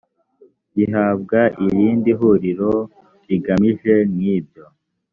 gihabwa irindi huriro rigamije nk ibyo